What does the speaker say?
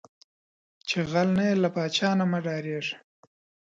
چې غل نۀ یې، لۀ پاچا نه مۀ ډارېږه